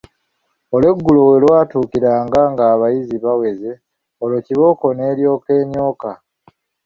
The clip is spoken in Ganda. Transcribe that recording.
Olweggulo we lwatuukiranga ng'abayizi baweze, olwo kibooko n'eryoka enyooka!